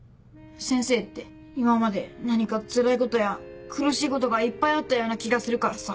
先生って今まで何かつらいことや苦しいことがいっぱいあったような気がするからさ。